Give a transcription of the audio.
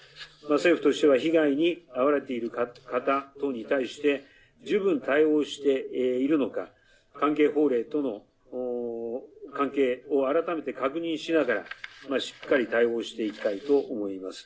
政府としては被害に遭われている方等に対して十分、対応しているのか関係法令との関係を改めて確認しながらしっかり対応していきたいと思います。